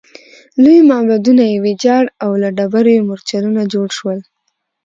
لوی معبدونه یې ویجاړ او له ډبرو یې مورچلونه جوړ شول